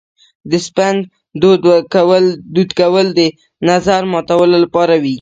د سپند دود کول د نظر ماتولو لپاره وي.